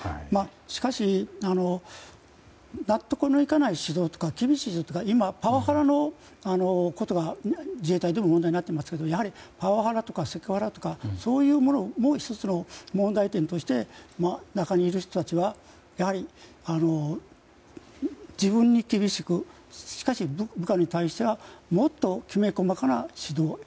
しかし納得のいかない指導とか厳しい指導とか今、パワハラのことが自衛隊でも問題になっていますがやはりパワハラとかセクハラとかも１つの問題点として中にいる人たちはやはり自分に厳しくしかし部下に対してはもっときめ細かな指導。